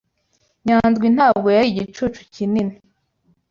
Nyandwi ntabwo yari igicucu kinini.